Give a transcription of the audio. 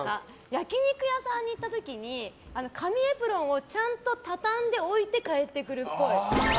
焼き肉屋さんに行った時に紙エプロンをちゃんと畳んで置いて帰ってくるっぽい。